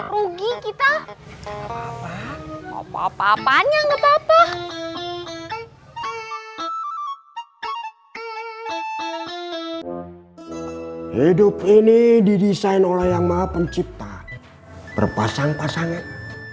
rugi kita apa apa apa apa apa apa apa hidup ini didesain oleh yang maha pencipta berpasang pasangan